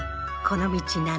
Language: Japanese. この道